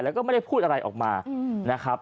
แล้วก็ไม่ได้พูดอะไรออกมานะครับ